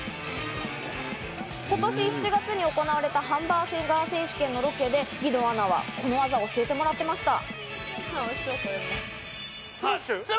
今年７月に行われたハンバーガー選手権のロケで、義堂アナはこの技を教えてもらっていました。